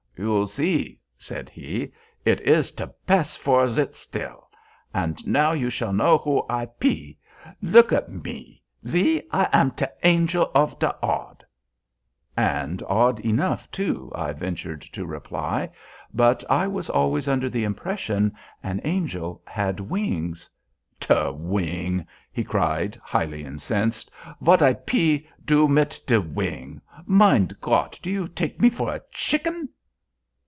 "You zee," said he, "it iz te bess vor zit still; and now you shall know who I pe. Look at me! zee! I am te Angel ov te Odd." "And odd enough, too," I ventured to reply; "but I was always under the impression that an angel had wings." "Te wing!" he cried, highly incensed, "vat I pe do mit te wing? Mein Gott! do you take me for a shicken?"